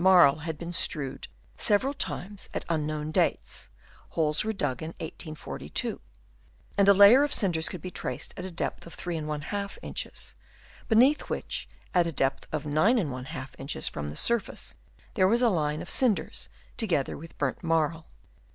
marl had been strewed several times at un known dates, holes were dug in 1842 ; and a layer of cinders could be traced at a depth of 3«| inches, beneath which at a depth of 9<| inches from the surface there was a line of cinders together with burnt marl.